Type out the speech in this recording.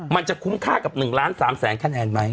มันจะคุ้มค่ากับ๑ล้าน๓แสนคะแนนไหม